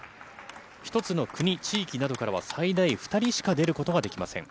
１つの国、地域などからは最大２人しか出ることができません。